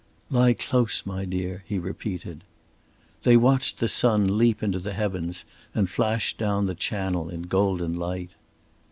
"Lie close, my dear," he repeated. They watched the sun leap into the heavens and flash down the Channel in golden light.